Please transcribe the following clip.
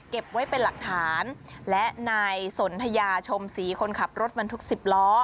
ไว้เป็นหลักฐานและนายสนทยาชมศรีคนขับรถบรรทุก๑๐ล้อ